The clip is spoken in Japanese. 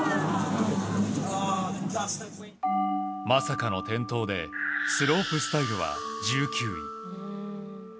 まさかの転倒でスロープスタイルは１９位。